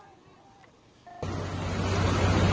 สวย